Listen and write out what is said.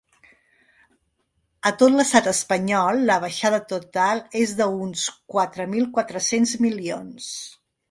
A tot l’estat espanyol, la baixada total és d’uns quatre mil quatre-cents milions.